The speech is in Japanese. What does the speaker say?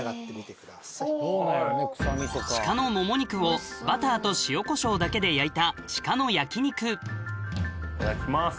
シカのもも肉をバターと塩こしょうだけで焼いたいただきます。